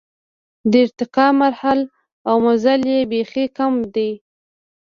د ارتقا مراحل او مزل یې بېخي کم دی.